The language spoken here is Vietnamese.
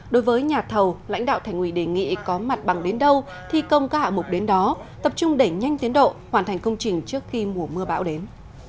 đối với nhà thầu lãnh đạo thành quỳ đề nghị có mặt bằng đến đâu thi công các hạ mục đến đó tập trung đẩy nhanh tiến độ hoàn thành công trình trước khi mùa mưa bão đến